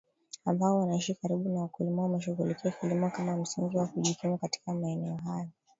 ambao wanaishi karibu na wakulima wameshughulikia kilimo kama msingi wa kujikimu Katika maeneo hayo